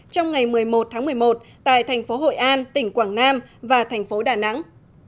trong ngày một mươi một tháng một mươi một tại thành phố hội an tỉnh quảng nam và thành phố đà nẵng